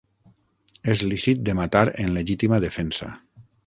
És lícit de matar en legítima defensa.